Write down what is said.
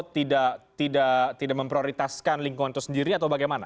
tidak memprioritaskan lingkungan itu sendiri atau bagaimana